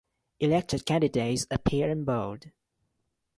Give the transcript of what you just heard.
Elected candidates appear in bold.